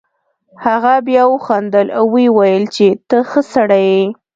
هغه بیا وخندل او ویې ویل چې ته ښه سړی یې.